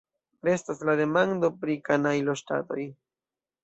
Restas la demando pri kanajloŝtatoj.